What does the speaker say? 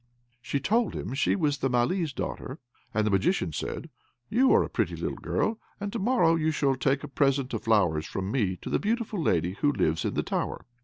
She told him she was the Malee's daughter, and the Magician said, "You are a pretty little girl, and to morrow you shall take a present of flowers from me to the beautiful lady who lives in the tower."